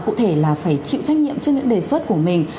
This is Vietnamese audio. cụ thể là phải chịu trách nhiệm trước những đề xuất của mình